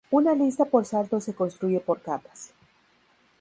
Una lista por saltos se construye por capas.